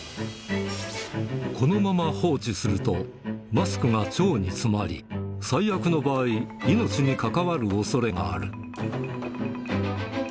このまま放置すると、マスクが腸に詰まり、最悪の場合、命に関わるおそれがある。